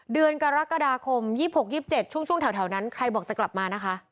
เดือนกรกฎาคม๒๖๒๗ช่วงแถวนั้นใครบอกจะกลับมานะคะ